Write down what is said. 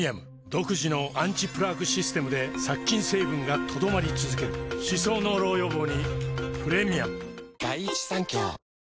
独自のアンチプラークシステムで殺菌成分が留まり続ける歯槽膿漏予防にプレミアム